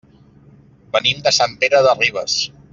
Venim de Sant Pere de Ribes.